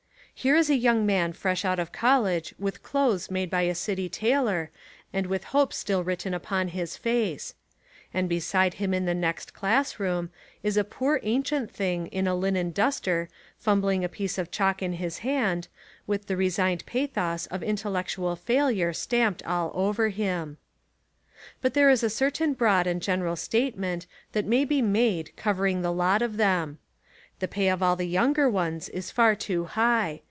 Here Is a young man fresh out of college with clothes made by a city tailor and with hope still written upon his face; and be side him in the next class room is a poor an cient thing in a linen duster fumbling a piece of chalk In his hand, with the resigned pathos of intellectual failure stamped all over him. But there Is a certain broad and general statement that may be made covering the lot of them. The pay of all the younger ones is far too high.